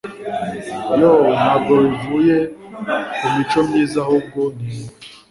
Yoo Ntabwo bivuye ku mico myiza ahubwo ni impuhwe